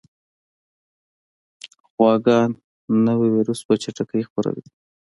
غواګانو نوی ویروس په چټکۍ خپرېږي.